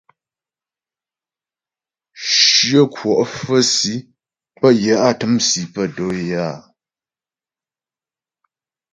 Shyə kwɔ' fə̌ si pə́ yə á təm si pə́ do'o é áa.